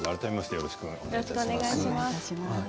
よろしくお願いします。